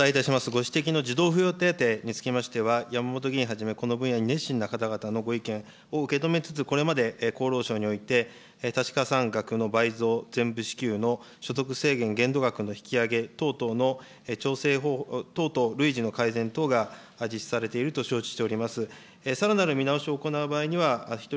ご指摘の児童扶養手当につきましては、山本議員はじめ、この分野に熱心な方々のご意見を受け止めつつ、これまで厚労省においての倍増、全部支給の所得制限限度額の引き上げ等々の、等々るいじの改善等が実施されていると承知しております。